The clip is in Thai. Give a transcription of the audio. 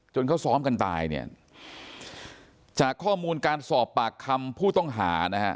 เขาซ้อมกันตายเนี่ยจากข้อมูลการสอบปากคำผู้ต้องหานะฮะ